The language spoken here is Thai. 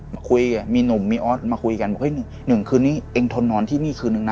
มาคุยกับมีหนุ่มมีออสมาคุยกันบอกเฮ้ยหนึ่งคืนนี้เองทนนอนที่นี่คืนนึงนะ